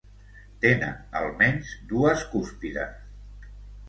Tenen almenys dues cúspides.